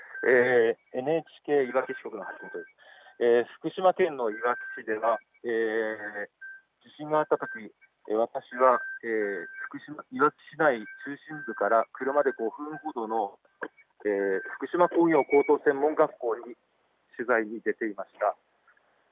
福島県のいわき市では地震があったとき、私はいわき市内中心部から車で５分ほどの福島工業高等専門学校に取材に出ていました。